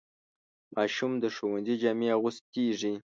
ماشوم د ښوونځي جامې اغوستېږي.